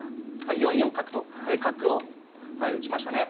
４四角と角を打ちましたね。